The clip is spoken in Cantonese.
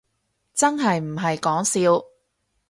真係唔係講笑